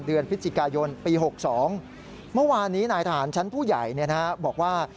เดือนพฤศจิกายนปี๖๒เมื่อวานนี้นายทหารชั้นผู้ใหญ่บอกว่า